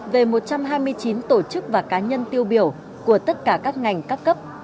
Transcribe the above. về một trăm hai mươi chín tổ chức và cá nhân tiêu biểu của tất cả các ngành các cấp